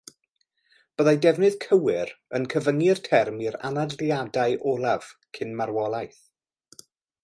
Byddai defnydd cywir yn cyfyngu'r term i'r anadliadau olaf cyn marwolaeth.